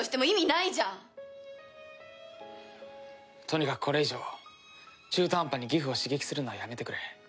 とにかくこれ以上中途半端にギフを刺激するのはやめてくれ。